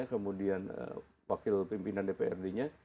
kemudian wakil pimpinan dprd nya